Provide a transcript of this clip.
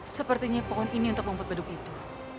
sepertinya pohon ini untuk membuat beduk itu